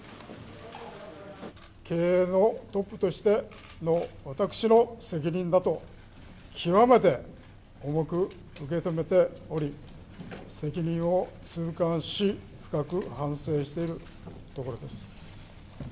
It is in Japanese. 経営のトップとしての、私の責任だと極めて重く受け止めており、責任を痛感し、深く反省しているところです。